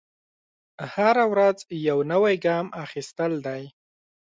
هره ورځ یو نوی ګام اخیستل دی.